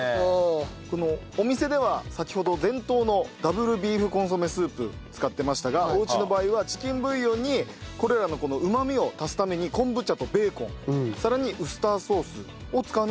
このお店では先ほど伝統のダブルビーフコンソメスープ使ってましたがおうちの場合はチキンブイヨンにこれらのこのうまみを足すために昆布茶とベーコンさらにウスターソースを使うのがオススメだそうです。